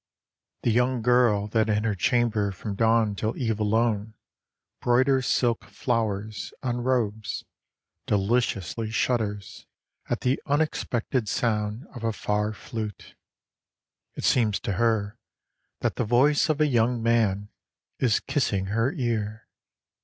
THE young girl that in her chamber from dawn till eve alone Broiders silk flowers on robes, deliciously shudders At the unexpected sound of a far flute ; It seems to her that the voice of a young man is kissing her ear.